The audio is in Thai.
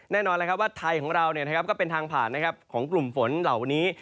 แน่นอนว่าไทยของเราก็เป็นทางผ่านของกลุ่มฝนเหล่านี้